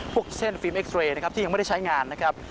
เช่นฟิล์เอ็กซ์เรย์นะครับที่ยังไม่ได้ใช้งานนะครับ